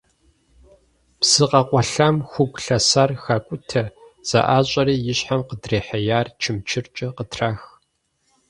Псы къэкъуалъэм хугу лъэсар хакӏутэ, зэӏащӏэри и щхьэм къыдрихьеяр чымчыркӏэ къытрах.